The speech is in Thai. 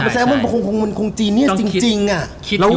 ใช่มันคงจีนเงียสจริงอะ